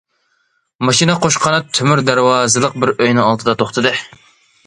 ماشىنا قوش قانات تۆمۈر دەرۋازىلىق بىر ئۆينىڭ ئالدىدا توختىدى.